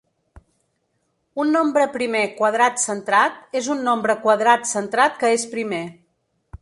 Un nombre primer quadrat centrat és un nombre quadrat centrat que és primer.